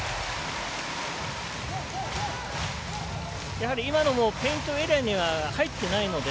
やはり、今のもペイントエリアには入っていないので。